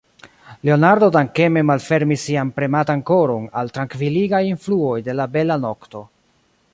Leonardo dankeme malfermis sian prematan koron al trankviligaj influoj de la bela nokto.